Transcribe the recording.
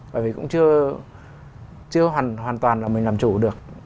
bởi vì cũng chưa hoàn toàn là mình làm chủ được